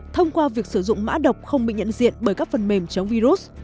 thông qua việc sử dụng mã độc không bị nhận diện bởi các phần mềm chống virus